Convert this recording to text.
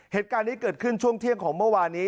เหตุการณ์นี้เกิดขึ้นช่วงเที่ยงของเมื่อวานนี้